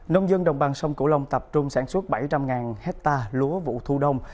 nông dân đồng bằng sông cửu long tập trung sản xuất bảy trăm linh hectare lúa vụ thu đông